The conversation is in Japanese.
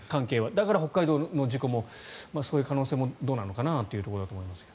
だから北海道の事故もそういう可能性もどうなのかなというところだと思いますが。